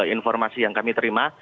informasi yang kami terima